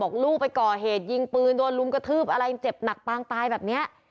ลูกไปก่อเหตุยิงปืนโดนลุมกระทืบอะไรเจ็บหนักปางตายแบบเนี้ย